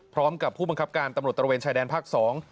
พร้อมกับผู้บังคับการตำรวจตระเวนชายแดนภาค๒